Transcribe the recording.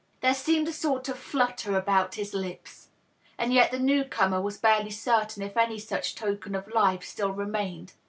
There seemed a sort of flutter about his lips ; and yet the new comer was barely cer tain if any such token of life still remained.